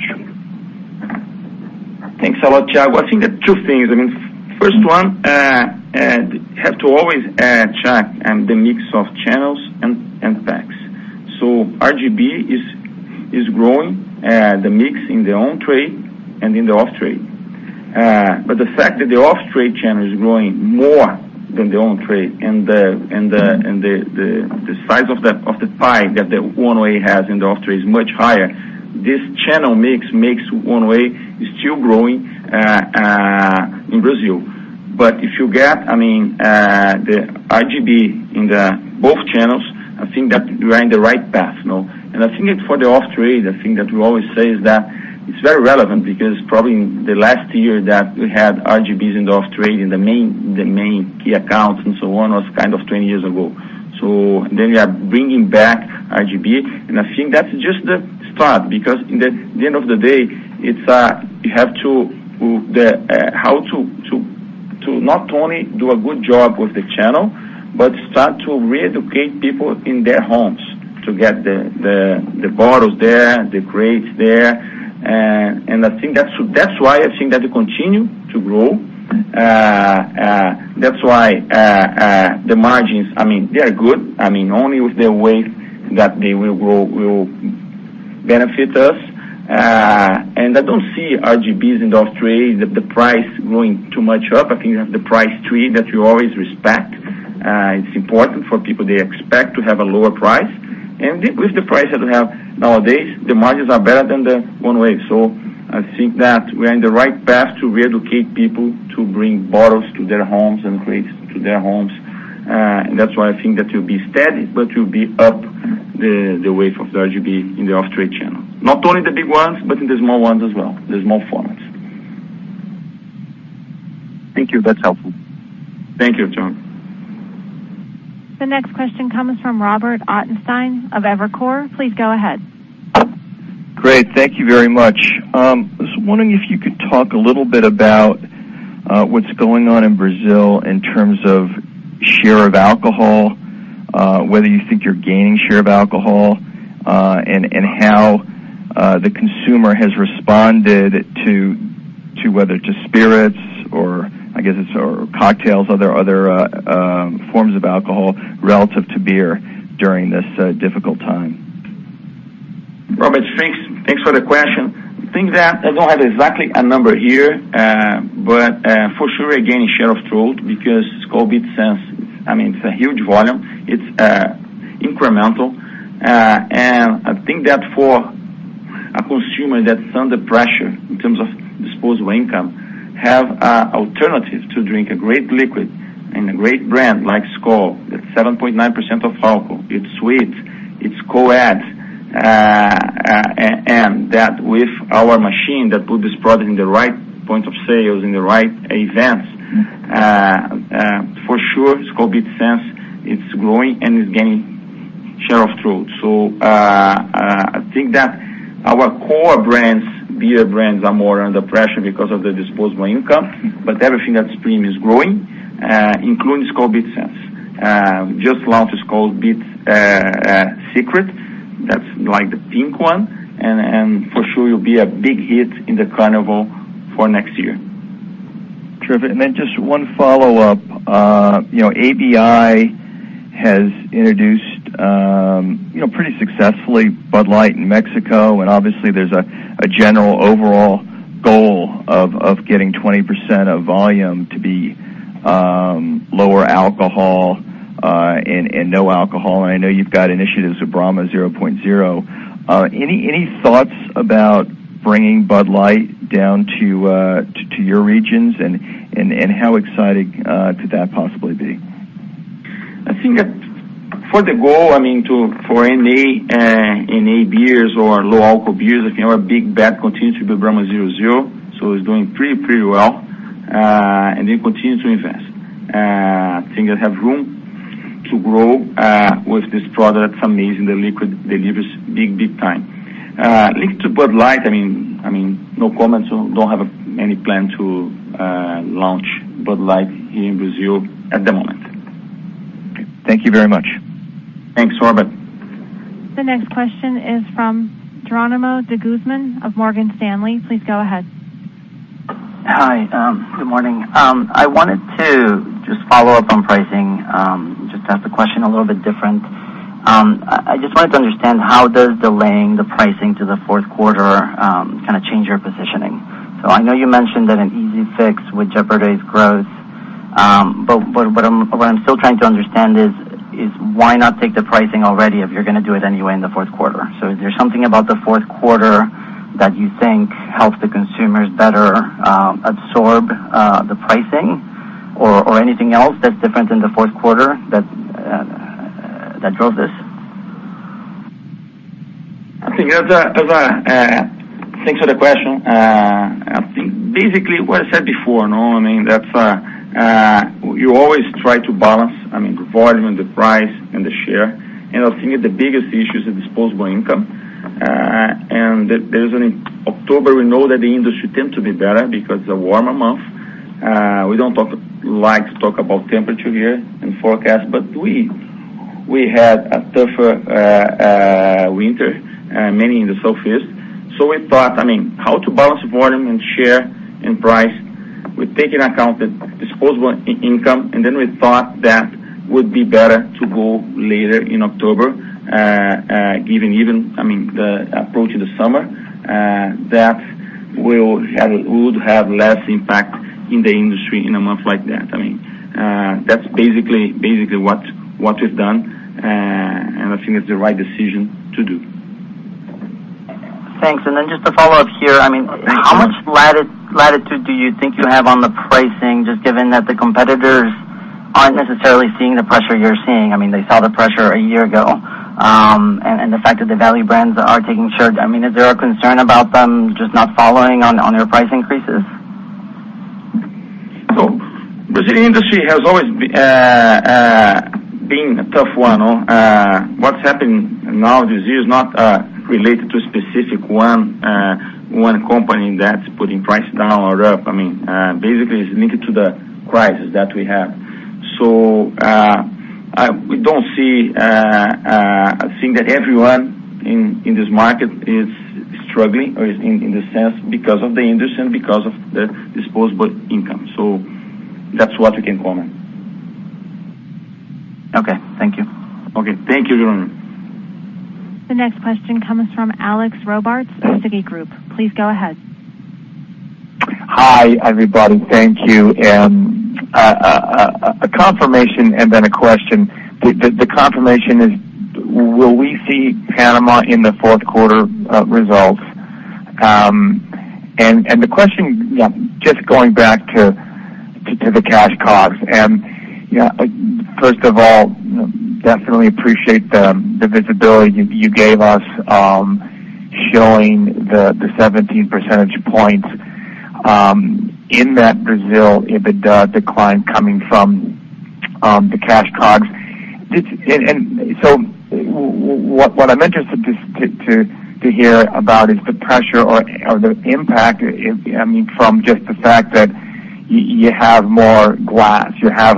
Thanks a lot, Thiago. I think there are two things. I mean, first one, you have to always check the mix of channels and packs. So RGB is growing the mix in the on-trade and in the off-trade. But the fact that the off-trade channel is growing more than the on-trade and the size of the pie that the one-way has in the off-trade is much higher, this channel mix makes one-way still growing in Brazil. If you get, I mean, the RGB in both channels, I think that we are in the right path now. I think it's for the off trade. I think that we always say is that it's very relevant because probably the last year that we had RGBs in the off trade in the main key accounts and so on was kind of 20 years ago. We are bringing back RGB, and I think that's just the start because in the end of the day, it's you have to not only do a good job with the channel, but start to reeducate people in their homes to get the bottles there, the crates there. I think that's why I think that it'll continue to grow. That's why the margins, I mean, they are good. I mean, only with the way that they will grow will benefit us. I don't see RGBs in the off-trade, the price going too much up. I think you have the price tier that you always respect. It's important for people. They expect to have a lower price. With the price that we have nowadays, the margins are better than the one-way. I think that we're in the right path to re-educate people to bring bottles to their homes and crates to their homes. That's why I think that you'll be steady, but you'll be up the way for the RGB in the off-trade channel. Not only the big ones, but in the small ones as well, the small formats. Thank you. That's helpful. Thank you, Thiago. The next question comes from Robert Ottenstein of Evercore. Please go ahead. Great. Thank you very much. I was wondering if you could talk a little bit about what's going on in Brazil in terms of share of alcohol, whether you think you're gaining share of alcohol, and how the consumer has responded to spirits or I guess it's or cocktails, other forms of alcohol relative to beer during this difficult time. Robert, thanks. Thanks for the question. I think that I don't have exactly a number here. For sure, again, share of throat because Skol Beats Senses, I mean, it's a huge volume. It's incremental. I think that for a consumer that's under pressure in terms of disposable income, have alternatives to drink a great liquid and a great brand like Skol, that's 7.9% alcohol. It's sweet. It's cold. And that with our machine that put this product in the right point of sales, in the right events, for sure, Skol Beats Senses, it's growing and it's gaining share of throat. I think that our core brands, beer brands are more under pressure because of the disposable income. Everything that's premium is growing, including Skol Beats Senses. Just launched Skol Beats Secret. That's like the pink one. For sure you'll be a big hit in the carnival for next year. Terrific. Then just one follow-up. You know, ABI has introduced, you know, pretty successfully Bud Light in Mexico, and obviously there's a general overall goal of getting 20% of volume to be lower alcohol and no alcohol. I know you've got initiatives with Brahma 0.0. Any thoughts about bringing Bud Light down to your regions and how exciting could that possibly be? I think for NAB beers or low alcohol beers, I think our big bet continues to be Brahma 0.0%, so it's doing pretty well, and then continue to invest. I think they have room to grow with this product. It's amazing, the liquid delivers big time. Linked to Bud Light, I mean, no comment. Don't have any plan to launch Bud Light in Brazil at the moment. Thank you very much. Thanks, Robert. The next question is from Jeronimo De Guzman of Morgan Stanley. Please go ahead. Hi. Good morning. I wanted to just follow up on pricing, just ask the question a little bit different. I just wanted to understand how does delaying the pricing to the fourth quarter kind of change your positioning? I know you mentioned that an easy fix would jeopardize growth. What I'm still trying to understand is why not take the pricing already if you're gonna do it anyway in the fourth quarter? Is there something about the fourth quarter that you think helps the consumers better absorb the pricing or anything else that's different in the fourth quarter that drove this? Thanks for the question. I think basically what I said before, you know what I mean? That you always try to balance, I mean, the volume and the price and the share. I think the biggest issue is the disposable income. October, we know that the industry tends to be better because it's a warmer month. We don't like to talk about temperature here and forecast, but we had a tougher winter, mainly in the Southeast. We thought, I mean, how to balance volume and share and price. We take into account the disposable income, and then we thought that would be better to go later in October. Given the approach to the summer, I mean, that would have less impact in the industry in a month like that. I mean, that's basically what is done, and I think it's the right decision to do. Thanks. Just to follow up here, I mean. Yeah, sure. How much latitude do you think you have on the pricing, just given that the competitors aren't necessarily seeing the pressure you're seeing? I mean, they saw the pressure a year ago, and the fact that the value brands are taking share. I mean, is there a concern about them just not following on your price increases? Brazilian industry has always been a tough one. What's happening now this year is not related to specific one company that's putting prices down or up. I mean, basically, it's linked to the crisis that we have. I think that everyone in this market is struggling or is in the sense because of the industry and because of the disposable income. That's what we can comment. Okay. Thank you. Okay. Thank you, Jeronimo. The next question comes from Alex Robarts of Citigroup. Please go ahead. Hi, everybody. Thank you. A confirmation and then a question. The confirmation is will we see Panama in the fourth quarter results? And the question, yeah, just going back to the cash costs. You know, first of all, definitely appreciate the visibility you gave us, showing the 17 percentage points in that Brazil EBITDA decline coming from the cash costs. It's and so what I'm interested just to hear about is the pressure or the impact if, I mean, from just the fact that you have more glass, you have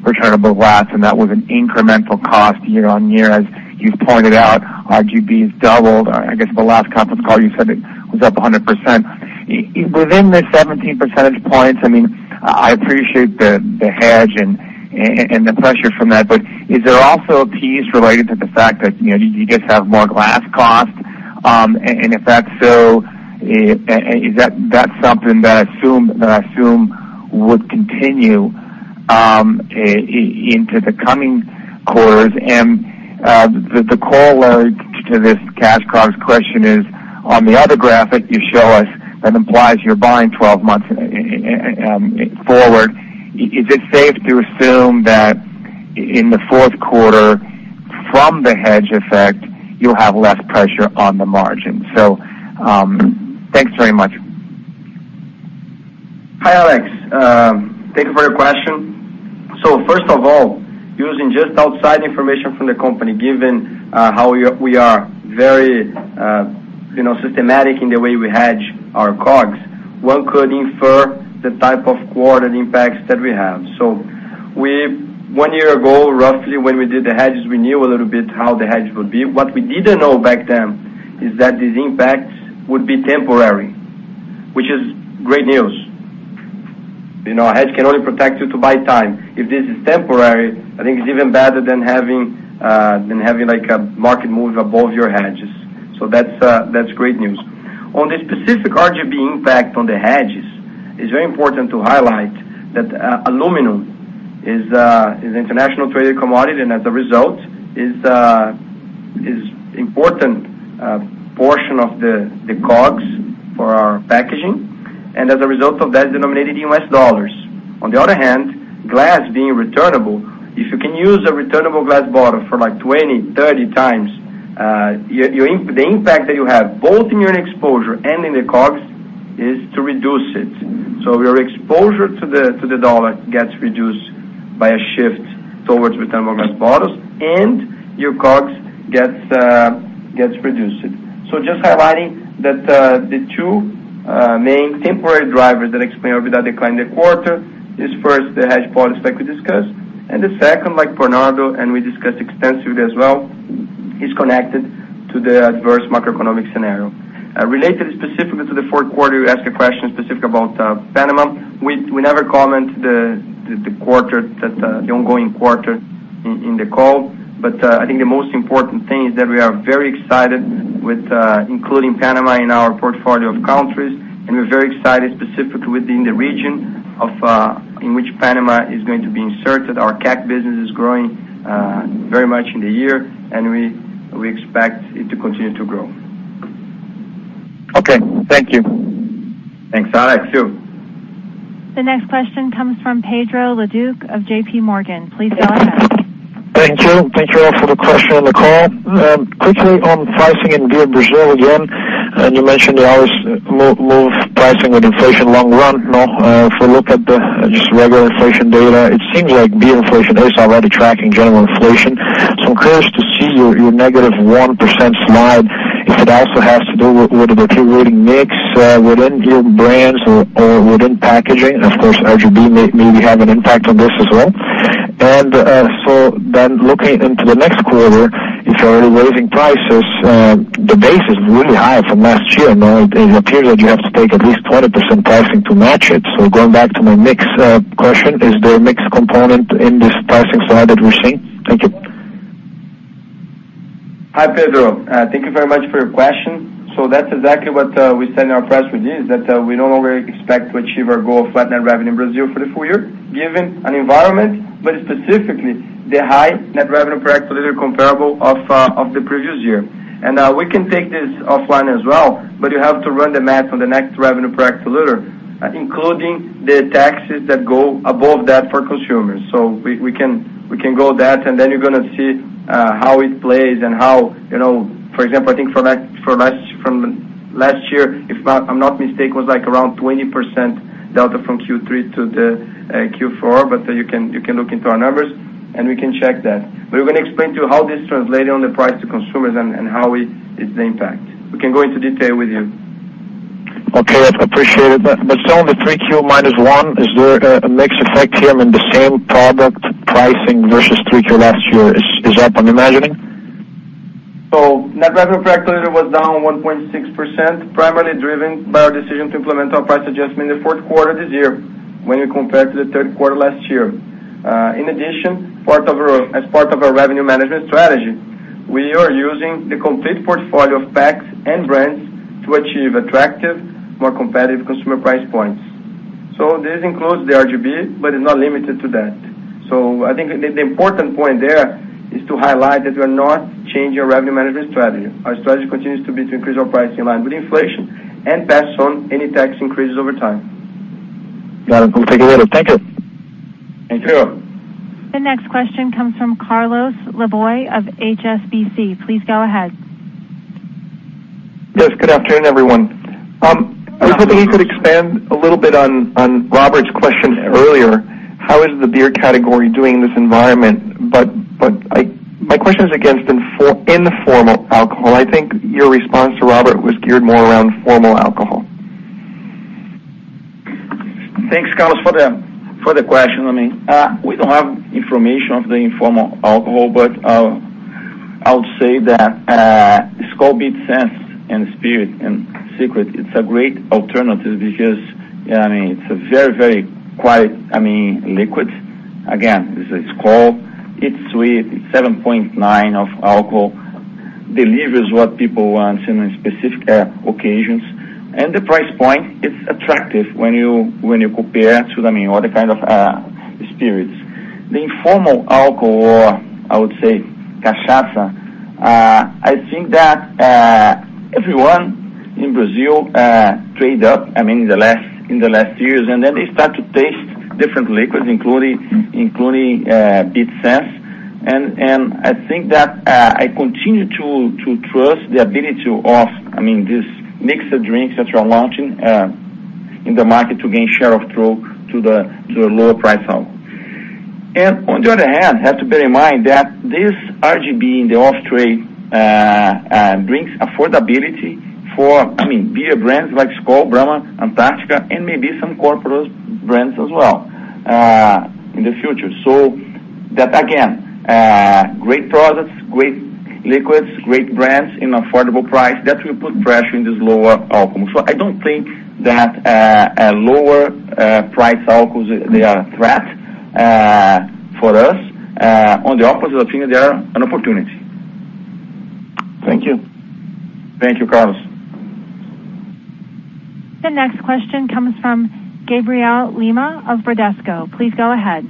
more returnable glass, and that was an incremental cost year on year. As you've pointed out, RGB has doubled. I guess the last conference call you said it was up 100%. Within the 17 percentage points, I mean, I appreciate the hedge and the pressure from that, but is there also a piece related to the fact that, you know, you just have more glass costs? If that's so, that's something that I assume would continue into the coming quarters. The corollary to this cash costs question is, on the other graphic you show us that implies you're buying 12 months forward. Is it safe to assume that in the fourth quarter from the hedge effect you'll have less pressure on the margin? Thanks very much. Hi, Alex. Thank you for your question. First of all, using just outside information from the company, given how we are very systematic in the way we hedge our costs, one could infer the type of quarter impacts that we have. We, one year ago, roughly when we did the hedges, knew a little bit how the hedge would be. What we didn't know back then is that these impacts would be temporary, which is great news. A hedge can only protect you to buy time. If this is temporary, I think it's even better than having like a market move above your hedges. That's great news. On the specific RGB impact on the hedges, it's very important to highlight that, aluminum is internationally traded commodity, and as a result is an important portion of the costs for our packaging, and as a result of that, denominated in U.S. dollars. On the other hand, glass being returnable, if you can use a returnable glass bottle for like 20, 30 times, the impact that you have both in your exposure and in the costs is to reduce it. Your exposure to the dollar gets reduced by a shift towards returnable glass bottles and your costs gets reduced. Just highlighting that, the two main temporary drivers that explain EBITDA decline in the quarter is first the hedge policy like we discussed. The second, like Bernardo, and we discussed extensively as well, is connected to the adverse macroeconomic scenario. Related specifically to the fourth quarter, you asked a question specific about Panama. We never comment on the ongoing quarter in the call. I think the most important thing is that we are very excited with including Panama in our portfolio of countries, and we're very excited specifically within the region in which Panama is going to be inserted. Our CAC business is growing very much in the year and we expect it to continue to grow. Okay. Thank you. Thanks, Alex. See you. The next question comes from Pedro Leduc of JPMorgan. Please go ahead. Thank you. Thank you all for the question and the call. Quickly on pricing in Beer Brazil again, and you mentioned you always move pricing with inflation long run, no? If we look at the just regular inflation data, it seems like beer inflation is already tracking general inflation. I'm curious to see your -1% slide, if it also has to do with the deteriorating mix within beer brands or within packaging. Of course, RGB may be having an impact on this as well. Looking into the next quarter, if you're already raising prices, the base is really high from last year. Now it appears that you have to take at least 20% pricing to match it. Going back to my mix, question, is there a mix component in this pricing slide that we're seeing? Thank you. Hi, Pedro. Thank you very much for your question. That's exactly what we said in our press release, that we no longer expect to achieve our goal of flat net revenue in Brazil for the full year, given an environment, but specifically the high net revenue per hectoliter comparable of the previous year. We can take this offline as well, but you have to run the math on the net revenue per hectoliter, including the taxes that go above that for consumers. We can go that and then you're gonna see how it plays and how, you know, for example, I think for next, for last, from last year, if I'm not mistaken, was like around 20% delta from Q3 to Q4. You can look into our numbers, and we can check that. We're gonna explain to you how this translated on the price to consumers and how it is the impact. We can go into detail with you. Okay. I appreciate it. Still on the 3Q -1%, is there a mix effect here in the same product pricing vs 3Q last year is up, I'm imagining? Net revenue per hectoliter was down 1.6%, primarily driven by our decision to implement our price adjustment in the fourth quarter this year when you compare it to the third quarter last year. In addition, as part of our revenue management strategy. We are using the complete portfolio of packs and brands to achieve attractive, more competitive consumer price points. This includes the RGB, but is not limited to that. I think the important point there is to highlight that we're not changing our revenue management strategy. Our strategy continues to be to increase our pricing in line with inflation and pass on any tax increases over time. Got it. Thank you. Thank you. The next question comes from Carlos Laboy of HSBC. Please go ahead. Yes, good afternoon, everyone. I was hoping you could expand a little bit on Robert's question earlier. How is the beer category doing in this environment? My question is against informal alcohol. I think your response to Robert was geared more around formal alcohol. Thanks, Carlos, for the question, I mean. We don't have information of the informal alcohol, but I'll say that Skol Beats Senses and Spirit and Secret, it's a great alternative because, I mean, it's a very, very quiet, I mean, liquid. Again, this is Skol. It's sweet. It's 7.9% alcohol, delivers what people want in some specific occasions. The price point is attractive when you compare to, I mean, other kind of spirits. The informal alcohol, I would say cachaça, I think that everyone in Brazil trade up, I mean, in the last years, and then they start to taste different liquids, including Beats Senses. I think that I continue to trust the ability of, I mean, this mix of drinks that we're launching in the market to gain share of throat to the lower price point. On the other hand, I have to bear in mind that this RGB in the off trade brings affordability for, I mean, beer brands like Skol, Brahma, Antarctica, and maybe some corporate brands as well in the future. That, again, great products, great liquids, great brands in affordable price, that will put pressure on this lower alcohol. I don't think that a lower-priced alcohols they are a threat for us. On the opposite, I think they are an opportunity. Thank you. Thank you, Carlos. The next question comes from Gabriel Lima of Bradesco. Please go ahead.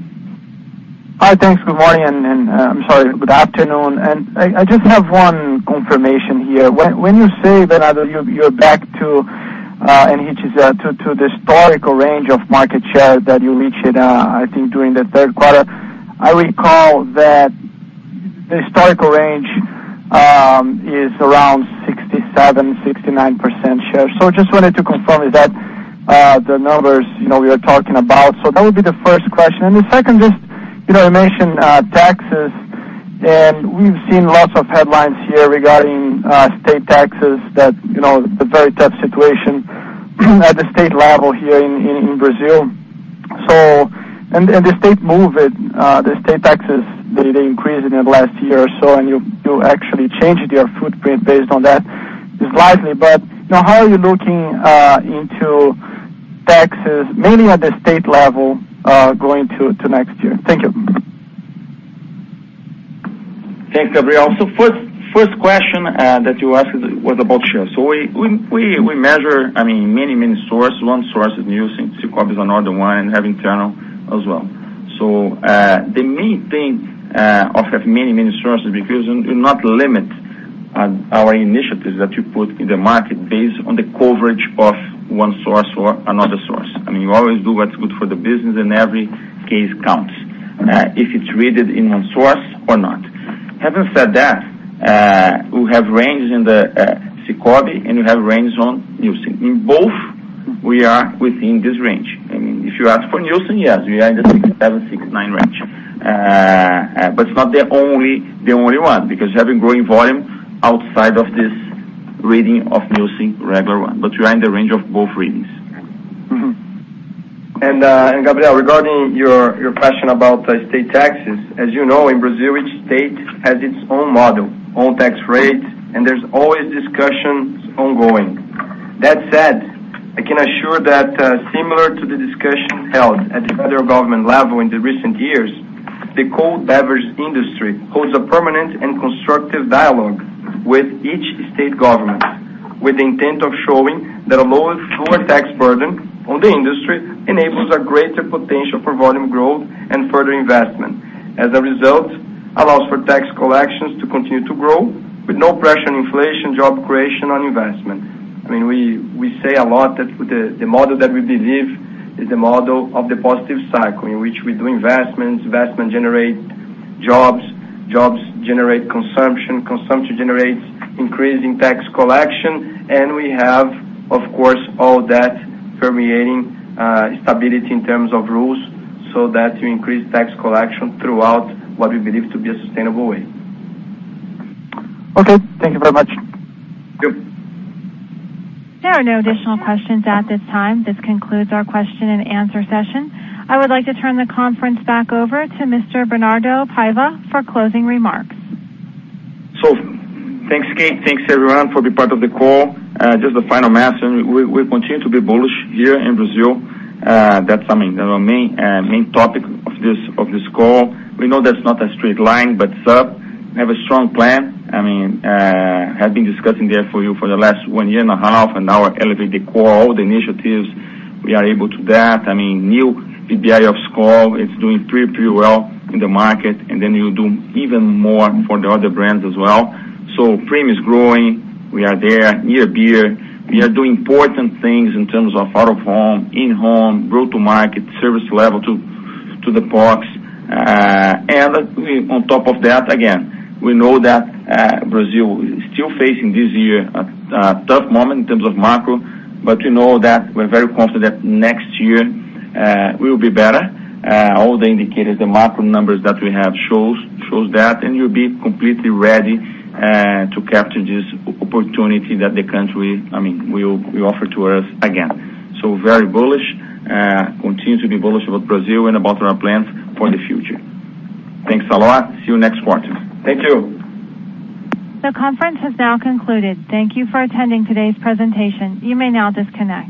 Hi, thanks. Good morning. I'm sorry, good afternoon. I just have one confirmation here. When you say that you're back to the historical range of market share that you reached, I think during the third quarter, I recall that the historical range is around 67-69% share. Just wanted to confirm is that the numbers you know we are talking about. That would be the first question. The second, just you know you mentioned taxes, and we've seen lots of headlines here regarding state taxes that you know the very tough situation at the state level here in Brazil. The state taxes, they increased in the last year or so, and you actually changed your footprint based on that slightly. You know, how are you looking into taxes, mainly at the state level, going to next year? Thank you. Thanks, Gabriel. First question that you asked was about share. We measure, I mean, many sources. One source is SICOBE, another one, and we have internal as well. The main thing of having many sources is because you do not limit our initiatives that you put in the market based on the coverage of one source or another source. I mean, you always do what's good for the business and every case counts, if it's read in one source or not. Having said that, we have ranges in the SICOBE, and we have ranges on Nielsen. In both, we are within this range. I mean, if you ask for Nielsen, yes, we are in the 67%-69% range. It's not the only one, because you have a growing volume outside of this reading of Nielsen, regular one, but we are in the range of both readings. Mm-hmm. Gabriel, regarding your question about state taxes, as you know, in Brazil, each state has its own model, own tax rate, and there's always discussions ongoing. That said, I can assure that, similar to the discussion held at the federal government level in the recent years, the cold beverage industry holds a permanent and constructive dialogue with each state government, with the intent of showing that a lower tax burden on the industry enables a greater potential for volume growth and further investment. As a result, allows for tax collections to continue to grow with no pressure on inflation, job creation or investment. I mean, we say a lot that the model that we believe is the model of the positive cycle in which we do investments generate jobs generate consumption generates increasing tax collection. We have, of course, all that permeating stability in terms of rules so that you increase tax collection throughout what we believe to be a sustainable way. Okay. Thank you very much. Yep. There are no additional questions at this time. This concludes our question and answer session. I would like to turn the conference back over to Mr. Bernardo Paiva for closing remarks. Thanks, Kate. Thanks, everyone, for being part of the call. Just a final message. We continue to be bullish here in Brazil. That's, I mean, the main topic of this call. We know that's not a straight line, but it's up. We have a strong plan. I mean, have been discussing there for you for the last one year and a half, and now Elevate the Core, the initiatives we are able to that. I mean, new VBI of Skol, it's doing pretty well in the market, and then we'll do even more for the other brands as well. Premium is growing. We are there. Near Beer. We are doing important things in terms of out of home, in home, go-to-market, service level to the parks. On top of that, again, we know that Brazil is still facing this year a tough moment in terms of macro, but we know that we're very confident next year will be better. All the indicators, the macro numbers that we have shows that, and we'll be completely ready to capture this opportunity that the country, I mean, will offer to us again. Very bullish. Continue to be bullish about Brazil and about our plans for the future. Thanks a lot. See you next quarter. Thank you. The conference has now concluded. Thank you for attending today's presentation. You may now disconnect.